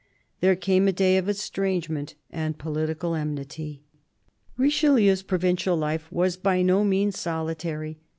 There came a day of estrangement and political enmity. Richelieu's provincial life was by no means solitary.